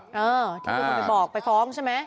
เออเขาบอกไปฟ้องใช่ไหม